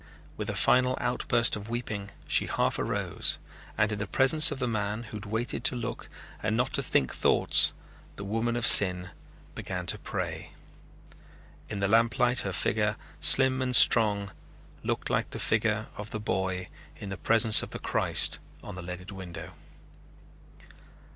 With a final outburst of weeping she half arose, and in the presence of the man who had waited to look and not to think thoughts the woman of sin began to pray. In the lamplight her figure, slim and strong, looked like the figure of the boy in the presence of the Christ on the leaded window.